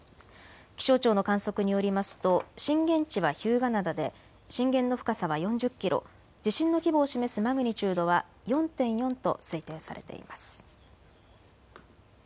気象庁の観測によりますと震源地は日向灘で震源の深さは４０キロ、地震の規模を示すマグニチュードは４．４と推定されています。